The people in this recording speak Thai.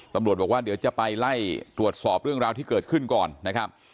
ตำรวจบอกว่าเดี๋ยวจะไปไล่ตรวจสอบเรื่องราวที่เกิดขึ้นก่อนนะครับ